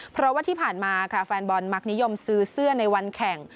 เพราะว่าที่ผ่านมาค่ะแฟนบอลมักนิยมซื้อเสื้อในวันแข่ง